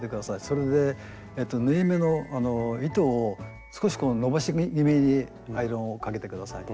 それで縫い目の糸を少し伸ばし気味にアイロンをかけて下さい。